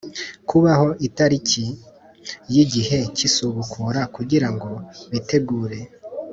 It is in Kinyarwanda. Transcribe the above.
kubaho Itariki y’ igihe cy’ isubukura kugira ngo bitegure